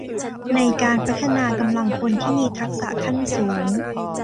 ในการพัฒนากำลังคนที่มีทักษะขั้นสูง